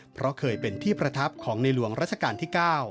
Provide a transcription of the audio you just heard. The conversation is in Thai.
เพราะเคยเป็นที่ประทับของในหลวงราชการที่๙